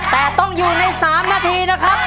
แต่ต้องอยู่ใน๓นาทีนะครับ